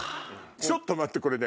ちょっと待ってこれね。